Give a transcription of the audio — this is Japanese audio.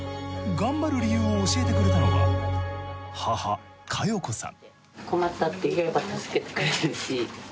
頑張る理由を教えてくれたのは母カヨコさん。